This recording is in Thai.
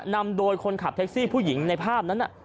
นำโดยคนขับแท็กซี่ผู้หญิงในภาพนั้น